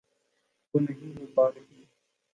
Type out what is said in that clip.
وہ نہیں ہو پا رہی۔